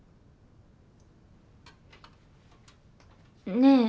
ねえ。